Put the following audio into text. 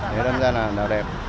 thế đâm ra là đào đẹp